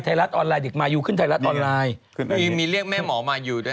ไทยรัฐออนไลน์เด็กมายูขึ้นไทยรัฐออนไลน์มีมีเรียกแม่หมอมายูด้วย